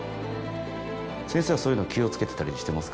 先生はそういうの気を付けてたりしてますか？